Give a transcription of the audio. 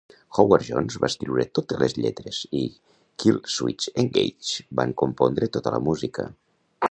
Howard Jones va escriure totes les lletres i Killswitch Engage van compondre tota la música.